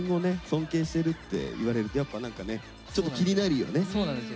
尊敬してるって言われるとやっぱ何かねちょっと気になるよね。